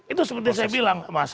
itu seperti saya bilang mas